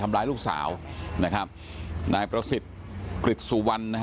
ทำร้ายลูกสาวนะครับนายประสิทธิ์กฤษสุวรรณนะฮะ